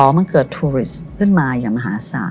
มันเกิดทุริสขึ้นมาอย่างมหาศาล